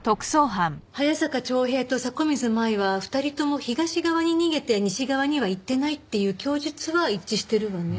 早坂長平と迫水舞は２人とも東側に逃げて西側には行ってないっていう供述は一致してるわね。